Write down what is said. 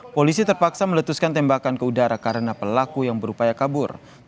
polisi terpaksa meletuskan tembakan ke udara karena pelaku yang berupaya kabur